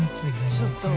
ちょっと。